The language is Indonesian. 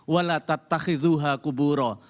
walatat takhidhuha kuburo